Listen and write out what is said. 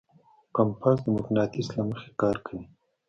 کمپاس د مقناطیس له مخې کار کوي.